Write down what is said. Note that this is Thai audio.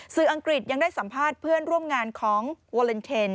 อังกฤษยังได้สัมภาษณ์เพื่อนร่วมงานของวาเลนเทน